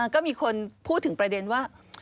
ก็มีคนพูดถึงประเด็นว่า